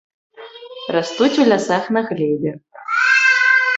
Растуць у лясах на глебе.